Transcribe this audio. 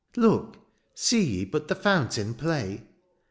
'^ Look ! see ye but the fountain play